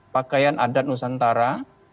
pakaian adat nusantara